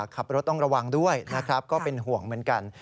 ขับรถต้องระวังด้วยนะครับก็เป็นห่วงเหมือนกัน